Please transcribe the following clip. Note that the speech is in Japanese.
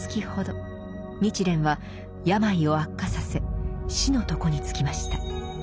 日蓮は病を悪化させ死の床につきました。